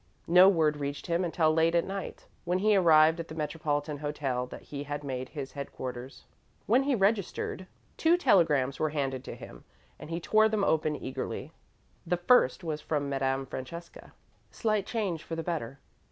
No word reached him until late at night, when he arrived at the metropolitan hotel that he had made his headquarters. When he registered, two telegrams were handed to him, and he tore them open eagerly. The first was from Madame Francesca: "Slight change for the better.